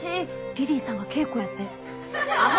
リリーさんが稽古やて！アホ！